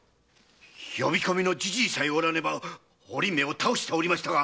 呼び込みのじじいさえおらねばおりんを倒しておりましたが。